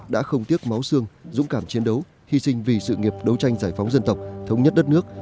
đã không tiếc máu xương dũng cảm chiến đấu hy sinh vì sự nghiệp đấu tranh giải phóng dân tộc thống nhất đất nước